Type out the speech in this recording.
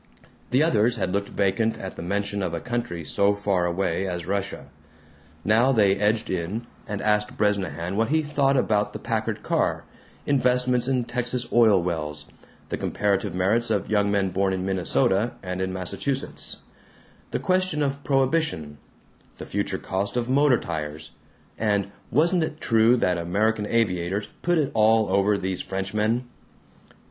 The others had looked vacant at the mention of a country so far away as Russia. Now they edged in and asked Bresnahan what he thought about the Packard car, investments in Texas oil wells, the comparative merits of young men born in Minnesota and in Massachusetts, the question of prohibition, the future cost of motor tires, and wasn't it true that American aviators put it all over these Frenchmen?